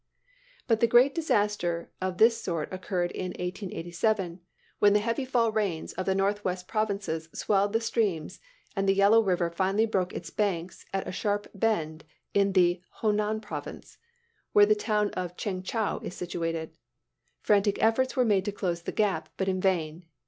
But the greatest disaster of this sort occurred in 1887, when the heavy fall rains of the northwest provinces swelled the streams, and the Yellow River finally broke its banks at a sharp bend in the Ho nan province, where the town of Cheng Chou is situated. Frantic efforts were made to close the gap, but in vain.